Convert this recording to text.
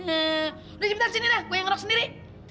udah cepetan sini dah gue yang ngelok sendiri